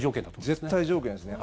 絶対条件ですね。